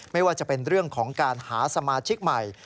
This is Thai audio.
ไม่ว่าจะเป็นเรื่องของการหาสมาชิกใหม่